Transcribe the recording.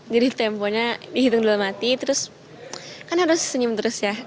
jadi temponya dihitung dalam hati terus kan harus senyum terus ya